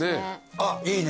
あっいいね。